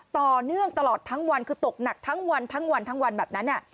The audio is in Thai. ต่อเนื่องตลอดทั้งวันคือตกหนักทั้งวันทั้งวันทั้งวันแบบนั้น